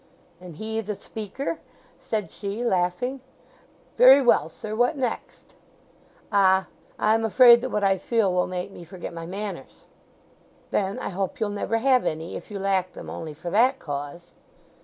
"And he the speaker?" said she, laughing. "Very well, sir, what next?" "Ah! I'm afraid that what I feel will make me forget my manners!" "Then I hope you'll never have any, if you lack them only for that cause."